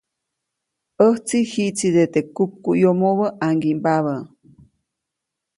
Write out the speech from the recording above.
ʼÄjtsi jiʼtside teʼ kupkuʼyomobä ʼaŋgimbabä.